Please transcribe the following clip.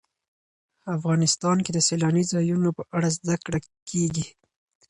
افغانستان کې د سیلاني ځایونو په اړه زده کړه کېږي.